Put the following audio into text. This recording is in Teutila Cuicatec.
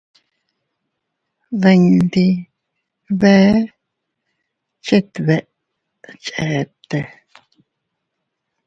Diidin bee chet beʼe chete.